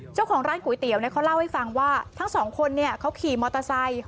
เจ้าของร้านก๋วยเตี๋ยวเขาเล่าให้ฟังว่าทั้งสองคนเขาขี่มอเตอร์ไซค์